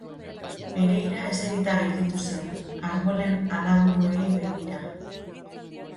Pereira eserita gelditu zen, arbolen adaburuei begira.